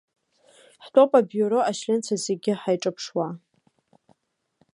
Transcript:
Ҳтәоуп абиуро ачленцәа зегьы ҳаиҿаԥшуа.